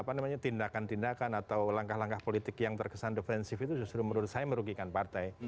apa namanya tindakan tindakan atau langkah langkah politik yang terkesan defensif itu justru menurut saya merugikan partai